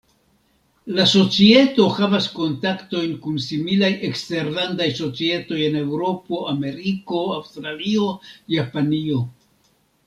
La societo havas kontaktojn kun similaj eksterlandaj societoj en Eŭropo, Ameriko, Aŭstralio, Japanio.